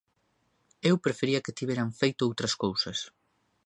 Eu prefería que tiveran feito outras cousas.